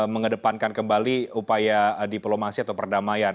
mengedepankan kembali upaya diplomasi atau perdamaian